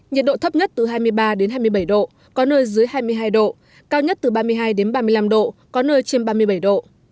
nhiệt độ thấp nhất từ hai mươi ba đến hai mươi bảy độ có nơi dưới hai mươi hai độ cao nhất từ ba mươi hai đến ba mươi năm độ có nơi trên ba mươi bảy độ